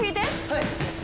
はい。